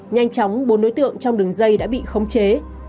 nhanh chóng bốn đối tượng trong đường dây đã bị khống chế